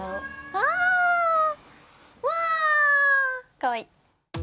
かわいい！